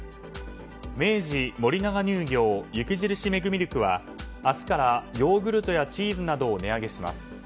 明治、森永乳業雪印メグミルクは明日からヨーグルトやチーズなどを値上げします。